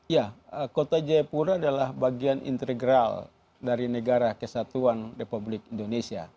ya kota jayapura adalah bagian integral dari negara kesatuan republik indonesia